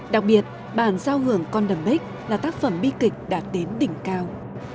đặc biệt bản giao hưởng condumbik là tác phẩm bi kịch đạt đến đỉnh cao